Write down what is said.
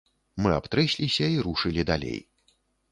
Мы абтрэсліся і рушылі далей.